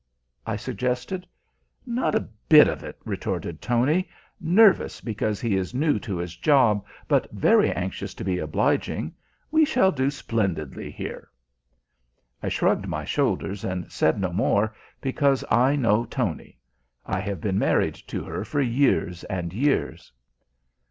I suggested. "Not a bit of it," retorted Tony. "Nervous because he is new to his job, but very anxious to be obliging. We shall do splendidly here." I shrugged my shoulders and said no more, because I know Tony. I have been married to her for years and years.